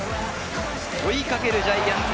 追いかけるジャイアンツ。